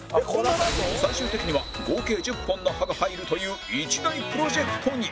最終的には合計１０本の歯が入るという一大プロジェクトに！